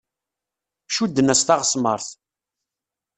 Cudden-as taɣesmart.